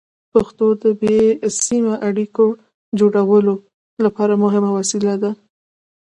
پښتو د بې سیمه اړیکو جوړولو لپاره مهمه وسیله ده.